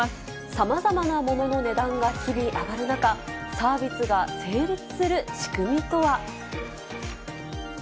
さまざまなものの値段が日々上がる中、サービスが成立する仕組みとは。